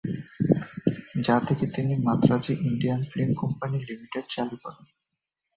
যা থেকে তিনি মাদ্রাজে "ইন্ডিয়ান ফিল্ম কোম্পানি লিমিটেড" চালু করেন।